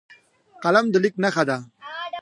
قلم د لیک نښه ده